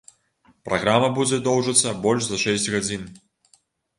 Праграма будзе доўжыцца больш за шэсць гадзін.